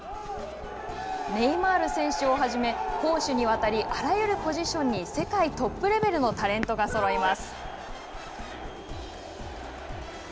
ネイマール選手をはじめ、攻守にわたりあらゆるポジションに世界トップレベルのタレントがそろいます。